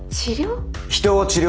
治療？